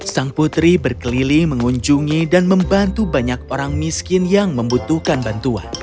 sang putri berkeliling mengunjungi dan membantu banyak orang miskin yang membutuhkan bantuan